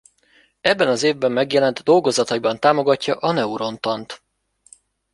Ebben az évben megjelent dolgozataiban támogatja a neuron-tant.